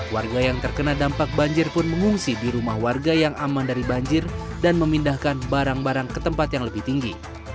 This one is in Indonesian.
warga yang terkena dampak banjir pun mengungsi di rumah warga yang aman dari banjir dan memindahkan barang barang ke tempat yang lebih tinggi